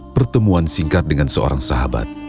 pertemuan singkat dengan seorang sahabat